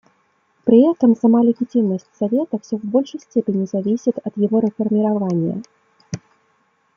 При этом сама легитимность Совета все в большей степени зависит от его реформирования.